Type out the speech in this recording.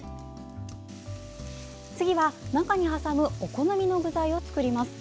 次は、中に挟むお好みの具材を作ります。